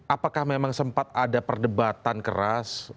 apakah memang sempat ada perdebatan keras